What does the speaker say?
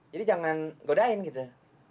jadi jangan godain gitu